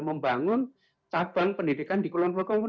membangun cabang pendidikan di kulon pogo dan di jalan jalan jalan ini